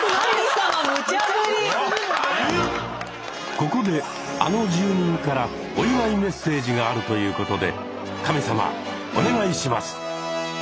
ここであの住人からお祝いメッセージがあるということで神様お願いします！